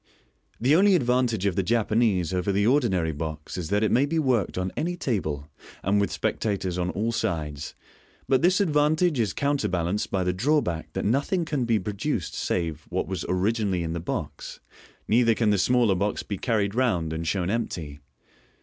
The only advantage of the Japanese over the ordinary box is that it may be worked on any table, and with spectators on all sides, but this advantage is counterbalanced by the drawback that nothing can be produced save what was originally in the box, neither can the smaller box be carried round, and shown empty.